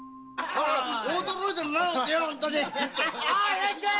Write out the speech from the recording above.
・いらっしゃい！